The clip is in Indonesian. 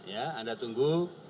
ya anda tunggu